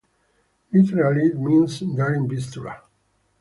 Literally it means Daring Vistula.